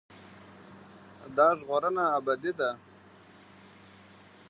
دا ژغورنه ابدي ده.